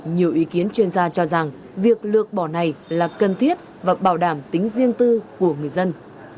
nhiều ý kiến chuyên gia cho rằng việc lược bỏ này là cần thiết và bảo đảm tính riêng tư của người dân